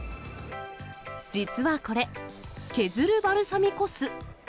実はこれ、削るバルサミコ酢。